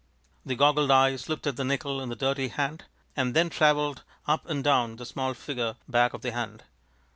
The goggled eyes looked at the nickel in the dirty hand, and then traveled up and down the small figure back of the hand.